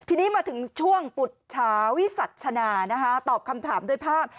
ทีนี้มาถึงช่วงปุรุษฌาวิสัจฉนาตอบคำถามโดยภาพ